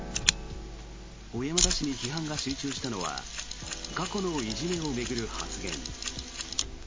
小山田氏に批判が集中したのは過去のいじめを巡る発言。